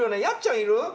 やっちゃんいる？